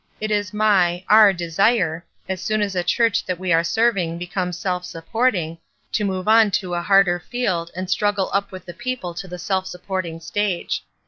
It is my, our desire, as soon as a church that we are serving becomes self supporting, to move on to a harder field and struggle up with the people to the self supporting stage.